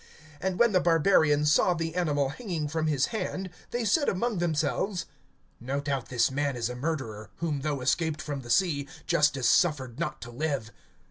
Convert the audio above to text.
(4)And when the barbarians saw the animal hanging from his hand, they said among themselves: No doubt this man is a murderer, whom, though escaped from the sea, justice suffered not to live.